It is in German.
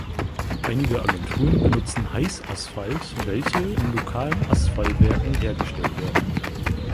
Einige Agenturen benutzen Heißasphalt, welche in lokalen Asphaltwerken hergestellt werden.